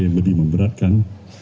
yang lebih memberatkan